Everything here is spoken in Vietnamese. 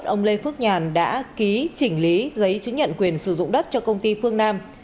ông lê phước nhàn đã ký chỉnh lý giấy chứng nhận quyền sử dụng đất cho công ty phương nam